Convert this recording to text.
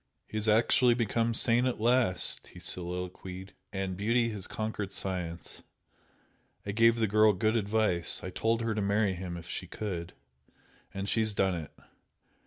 "He has actually become sane at last!" he soliloquised, "And beauty has conquered science! I gave the girl good advice I told her to marry him if she could, and she's done it!